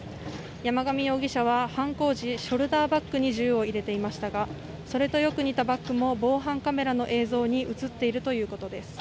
山上容疑者は犯行時ショルダーバッグに銃を入れていましたがそれとよく似たバッグも防犯カメラの映像に映っているということです